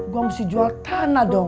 gue mesti jual tanah dong